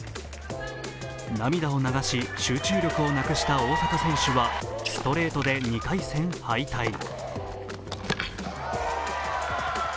涙を流し、集中力をなくした大坂選手はストレートで２回戦敗退。